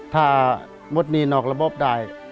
ถ้างดหนี้นอกระบบได้